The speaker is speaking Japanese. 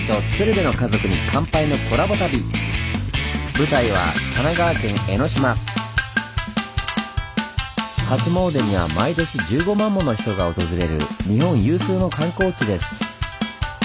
舞台は初詣には毎年１５万もの人が訪れる日本有数の観光地です。